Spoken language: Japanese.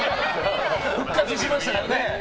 復活しましたからね。